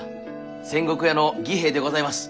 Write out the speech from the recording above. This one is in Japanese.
仙石屋の義兵衛でございます。